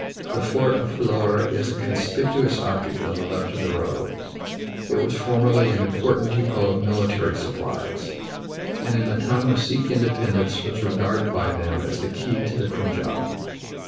The fort of Phillour is a conspicuous object on the left of the road; it was formerly an important depot of military supplies, and in the time of Sikh independence was regarded by them as the key to the Punjab.